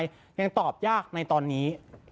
ยังตอบยากในตอนนี้